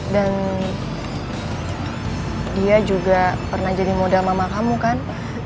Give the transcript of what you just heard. dan dia juga pernah jadi modal mama kamu kan